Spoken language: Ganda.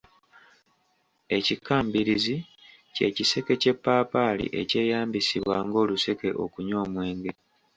Ekikambirizi ky’ekiseke ky’eppaapaali ekyeyambisibwa ng’oluseke okunywa omwenge.